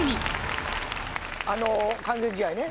あの完全試合ね